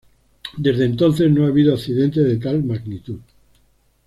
Desde entonces, no ha habido accidentes de tal magnitud.